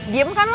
diam kan lo